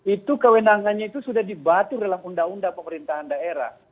itu kewenangannya itu sudah dibatu dalam undang undang pemerintahan daerah